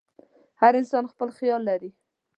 هر انسان خپل خیال لري.